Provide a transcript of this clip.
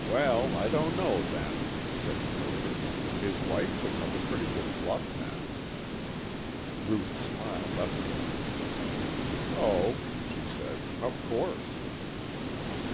"Well, I don't know then," said Schroder, "his wife puts up a pretty good bluff then." Ruth's smile left her. "Oh," she said, "of course."